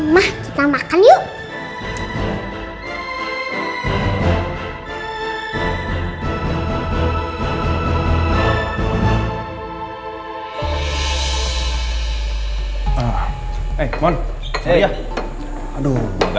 mah kita makan yuk